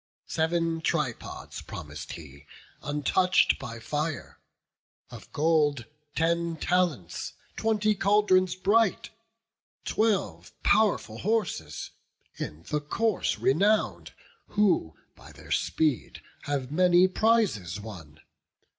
Sev'n tripods promis'd he, untouch'd by fire, Of gold, ten talents, twenty caldrons bright, Twelve pow'rful horses, in the course renown'd. Who by their speed have many prizes won.